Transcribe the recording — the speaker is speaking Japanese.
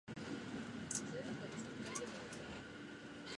作った奴の気が知れません